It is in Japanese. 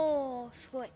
すごい。